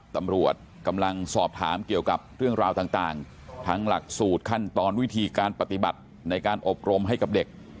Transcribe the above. ตำรวจกำลังสอบถามเกี่ยวกับเรื่องราวต่างทั้งหลักสูตรขั้นตอนวิธีการปฏิบัติในการอบรมให้กับเด็ก